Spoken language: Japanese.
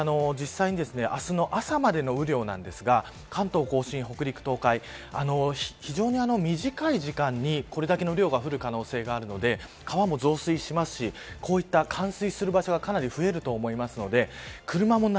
実際に明日の朝までの雨量なんですが関東甲信、北陸、東海非常に短い時間にこれだけの量が降る可能性があるので川も増水しますしこういった冠水する場所がかなり増えると思うので